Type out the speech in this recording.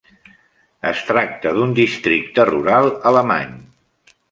Es tracta d'un Districte rural alemany.